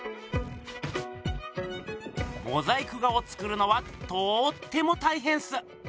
モザイク画を作るのはとっても大へんっす。